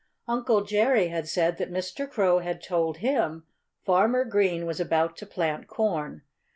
Uncle Jerry had said that Mr. Crow had told him Farmer Green was about to plant corn.